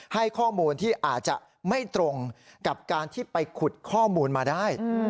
ให้ข้อมูลที่อาจจะไม่ตรงกับการที่ไปขุดข้อมูลมาได้